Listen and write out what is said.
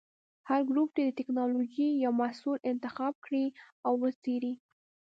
هر ګروپ دې د ټېکنالوجۍ یو محصول انتخاب کړي او وڅېړي.